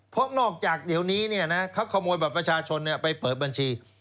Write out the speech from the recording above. เพราะนอกจากเดี๋ยวนี้เขาขโมยบัตรประชาชนไปเปิดบัญชี